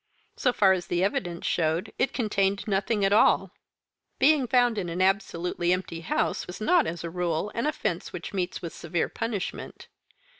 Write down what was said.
So far as the evidence showed, it contained nothing at all. Being found in an absolutely empty house is not, as a rule, an offence which meets with a severe punishment.